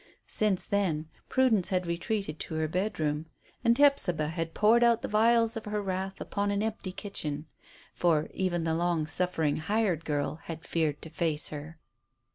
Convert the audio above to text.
Since then Prudence had retreated to her bedroom, and Hephzibah had poured out the vials of her wrath upon an empty kitchen, for even the long suffering hired girl had feared to face her.